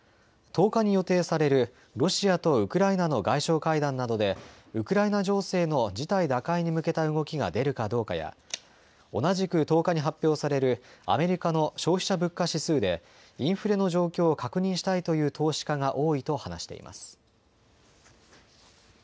１０日に予定されるロシアとウクライナの外相会談などでウクライナ情勢の事態打開に向けた動きが出るかどうかや、同じく１０日に発表されるアメリカの消費者物価指数でインフレの状況を確認したいという投資家が多いと話しています。